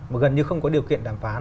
mà gần như không có điều kiện đàm phán